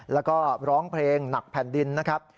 แล้วก็ร้องเพลงหนักแผ่นดินนะครับ